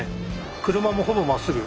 車もほぼまっすぐ。